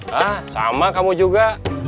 hah sama kamu juga